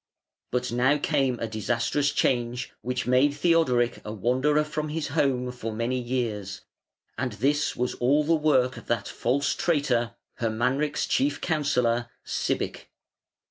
But now came a disastrous change, which made Theodoric a wanderer from his home for many years; and this was all the work of that false traitor, Hermanric's chief counsellor, Sibich.